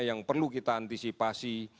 yang perlu kita antisipasi